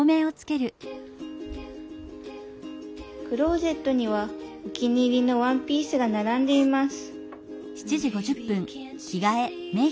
クローゼットにはお気に入りのワンピースが並んでいます